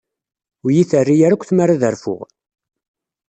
Ur iyi-terri akk tmara ad rfuɣ.